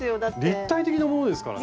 立体的なものですからね。